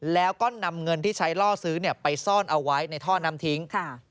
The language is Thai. แล้วก็นำเงินที่ใช้ล่อซื้อไปซ่อนเอาไว้ในท่อน้ำทิ้ง